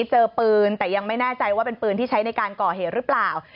เจอปืนแต่ยังไม่แน่ใจว่าเป็นปืนที่ใช้ในการก่อเหตุหรือเปล่า